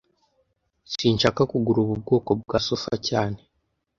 Sinshaka kugura ubu bwoko bwa sofa cyane